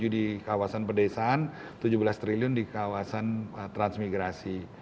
tujuh di kawasan pedesaan tujuh belas triliun di kawasan transmigrasi